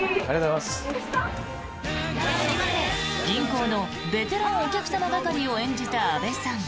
銀行のベテランお客様係を演じた阿部さん。